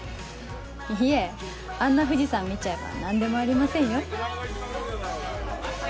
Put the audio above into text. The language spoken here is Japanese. いえあんな藤さん見ちゃえば何でもありませんよ。